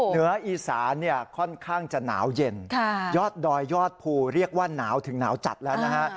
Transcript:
เหนืออีสานเนี่ยค่อนข้างจะหนาวเย็นยอดดอยยอดภูเรียกว่าหนาวถึงหนาวจัดแล้วนะฮะ